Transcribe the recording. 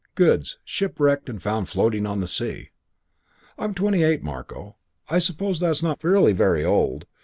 'Goods shipwrecked and found floating on the sea.' I'm twenty eight, Marko. I suppose that's not really very old.